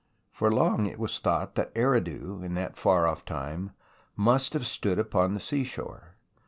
For long it was thought that Eridu in that far off time must have stood upon the seashore.